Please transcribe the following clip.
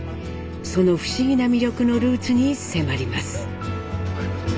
その不思議な魅力のルーツに迫ります。